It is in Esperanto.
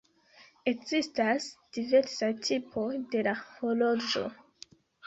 Ekzistas diversaj tipoj de la horloĝo.